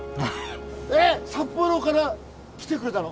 えっ！札幌から来てくれたの？